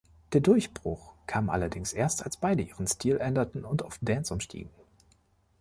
Der Durchbruch kam allerdings erst, als beide ihren Stil änderten und auf Dance umstiegen.